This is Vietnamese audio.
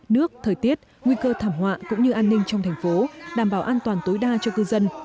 nước thời tiết nguy cơ thảm họa cũng như an ninh trong thành phố đảm bảo an toàn tối đa cho cư dân